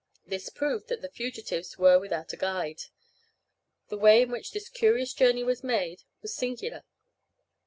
This proved that the fugitives were without a guide. The way in which this curious journey was made was singular.